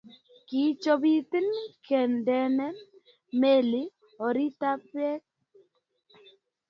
kii chobotin kendenen meli orititab beek